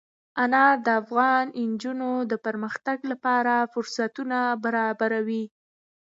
انار د افغان نجونو د پرمختګ لپاره فرصتونه برابروي.